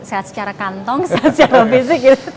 sehat secara kantong secara fisik